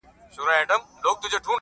له شره خلاص خلګ دي